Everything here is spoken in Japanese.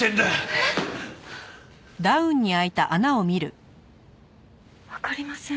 えっ？わかりません。